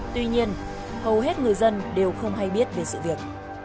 tuy nhiên hầu hết người dân đều không hay biết về sự việc